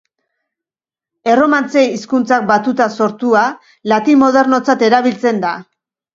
Erromantze hizkuntzak batuta sortua, latin modernotzat erabiltzen da.